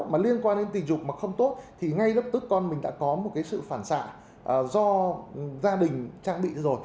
mà liên quan đến tình dục mà không tốt thì ngay lập tức con mình đã có một cái sự phản xạ do gia đình trang bị rồi